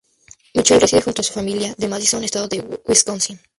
Michelle reside junto a su junto a su familia en Madison, estado de Wisconsin.